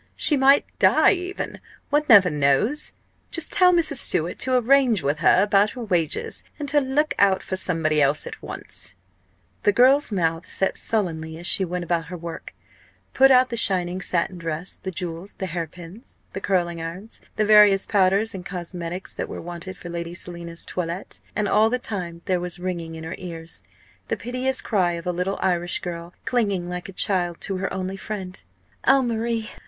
She might die even one never knows. Just tell Mrs. Stewart to arrange with her about her wages, and to look out for somebody else at once." The girl's mouth set sullenly as she went about her work put out the shining satin dress, the jewels, the hairpins, the curling irons, the various powders and cosmetics that were wanted for Lady Selina's toilette, and all the time there was ringing in her ears the piteous cry of a little Irish girl, clinging like a child to her only friend: "O Marie!